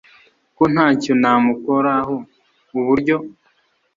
ko ntacyo namukoraho uburyo